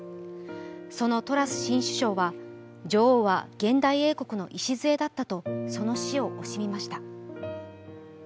そのトラス新首相は、女王は現代英国の礎だったとその死を惜しみました。